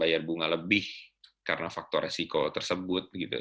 bayar bunga lebih karena faktor resiko tersebut